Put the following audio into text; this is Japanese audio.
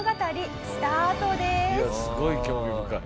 いやすごい興味深い。